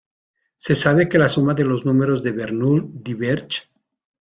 Se sabe que la suma de los números de Bernoulli diverge.